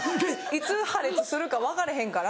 いつ破裂するか分かれへんから。